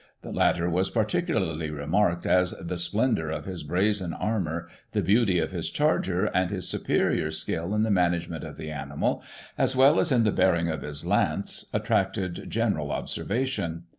The latter was particularly remarked, as the splendour of his brazen armour, the beauty of his charger, and his superior skill in the management of the animal, as well as in the bearing of his lance, attracted general observation.